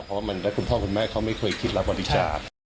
เพราะว่าคุณพ่อคุณแม่เขาไม่เคยคิดรับบริจาค